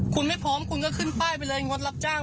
คุณไม่พร้อมคุณก็ขึ้นป้ายไปเลยงดรับจ้าง